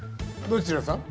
どちらさん？